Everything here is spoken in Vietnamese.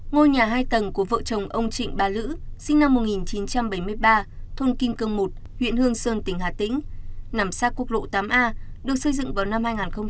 ngôi nhà hai tầng của vợ chồng ông trịnh bá lữ sinh năm một nghìn chín trăm bảy mươi ba thôn kim cương một huyện hương sơn tỉnh hà tĩnh nằm sát quốc lộ tám a được xây dựng vào năm hai nghìn một mươi